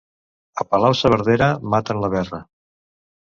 A Palau-saverdera maten la verra.